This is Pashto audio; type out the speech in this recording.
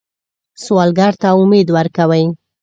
سوالګر ته امید ورکوئ